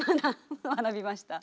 学びました？